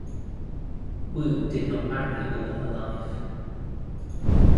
Wu did not marry all her life.